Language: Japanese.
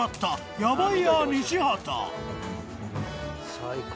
最高！